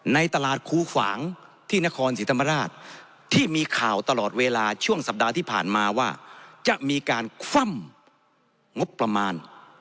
ในตลาดคูขวางที่นครศรีธรรมราชที่มีข่าวตลอดเวลาช่วงสัปดาห์ที่ผ่านมาว่าจะมีการคว่ำงบประมาณ